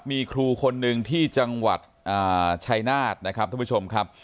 มีครูคนหนึ่งที่จังหวัดชายนาฏนะครับท่านผู้ชมครับ